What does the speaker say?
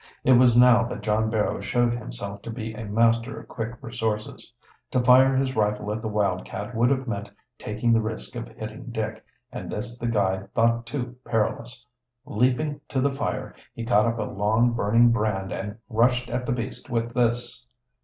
It was now that John Barrow showed himself to be a master of quick resources. To fire his rifle at the wildcat would have meant taking the risk of hitting Dick, and this the guide thought too perilous. Leaping to the fire, he caught up a long, burning brand and rushed at the beast with this.